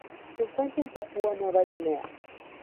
Se encuentra en Papúa Nueva Guinea